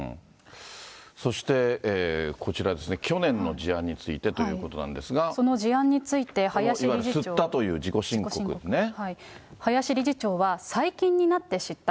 そしてこちらですね、去年の事案についてということなんですその事案について、林理事長いわゆる吸ったという自己申林理事長は、最近になって知った。